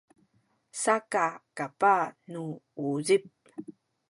saka kapah nu uzip